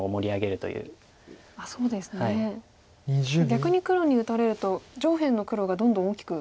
逆に黒に打たれると上辺の黒がどんどん大きく。